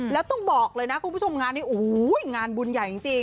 แล้วต้องบอกเลยนะคุณผู้ชมงานนี้โอ้โหงานบุญใหญ่จริง